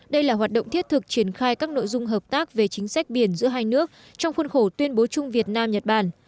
đây là hoạt động thiết thực triển khai các nội dung hợp tác về chính sách biển giữa hai nước trong khuôn khổ tuyên bố chung việt nam nhật bản